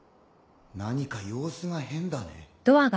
何か様子が変だね。